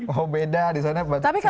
oh beda disana susuna lah ya